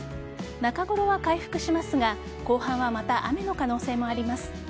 中ごろは回復しますが後半はまた雨の可能性もあります。